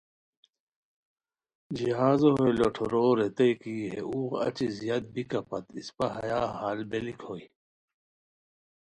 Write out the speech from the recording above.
جہازو ہے لوٹھورو ریتائے کی ہے اوغ اچی زیاد بیکہ پت اسپہ ہیا ہال بیلیک بوئے